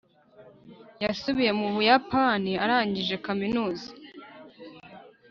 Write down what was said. yasubiye mu buyapani arangije kaminuza